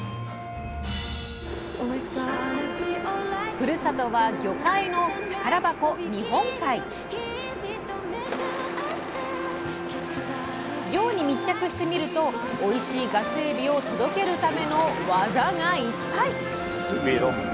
ふるさとは魚介の宝箱漁に密着してみるとおいしいガスエビを届けるための技がいっぱい！